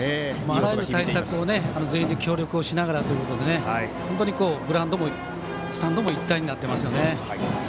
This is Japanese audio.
あらゆる対策全員で協力しながらということで本当に、グラウンドもスタンドも一体になっていますよね。